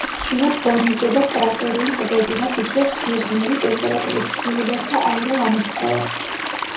ხშირად ფორმირდება კრატერული ტბები, რაც იწვევს სიღრმული ტემპერატურის ცვლილებას და აირულ ამოფრქვევებს.